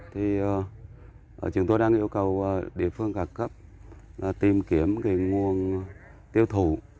thì chúng tôi đang yêu cầu địa phương cả cấp tìm kiếm nguồn tiêu thụ